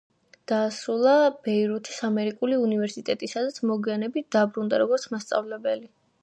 დაასრულა ბეირუთის ამერიკული უნივერსიტეტი, სადაც მოგვიანებით დაბრუნდა როგორც მასწავლებელი.